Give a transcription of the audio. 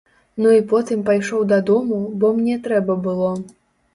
Ну і потым пайшоў дадому, бо мне трэба было.